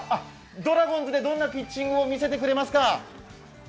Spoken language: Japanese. ドラゴンズでどんなピッチングを見せてくれますか？